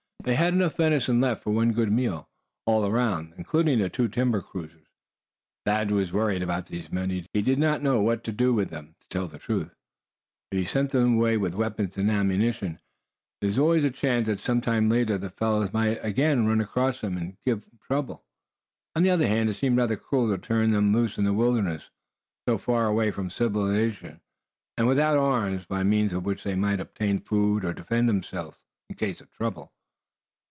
They had enough venison left for one good meal all around, including the two timber cruisers. Thad was worried about these men. He did not know what to do with them, truth to tell. If he sent them away with weapons and ammunition; there was always a chance that sometime later the fellows might again run across them, and give trouble. On the other hand, it seemed rather cruel to turn them loose in the wilderness, so far away from civilization, and without arms, by means of which they might obtain food, or defend themselves in case of trouble.